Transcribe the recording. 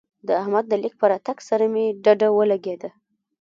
د احمد د ليک په راتګ سره مې ډډه ولګېده.